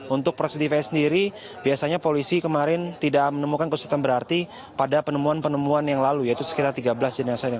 untuk prosedurnya sendiri biasanya polisi kemarin tidak menemukan kesulitan berarti pada penemuan penemuan yang lalu yaitu sekitar tiga belas jenazahnya